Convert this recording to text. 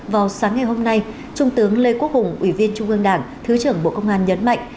vào sáng ngày hôm nay trung tướng lê quốc hùng ủy viên trung ương đảng thứ trưởng bộ công an nhấn mạnh